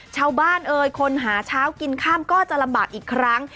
เอ้ยคนหาเช้ากินข้ามก็จะลำบากอีกครั้ง